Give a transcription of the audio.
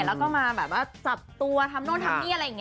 แล้วก็มาจับตัวทำโน่นทำเนี่ย